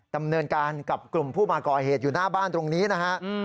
ดำเนินการกับกลุ่มผู้มาก่อเหตุอยู่หน้าบ้านตรงนี้นะฮะ